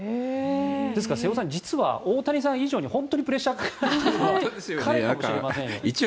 ですから、瀬尾さん実は大谷さん以上に本当にプレッシャーがかかっているのは彼かもしれませんよ。